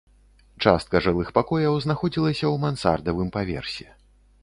Частка жылых пакояў знаходзілася ў мансардавым паверсе.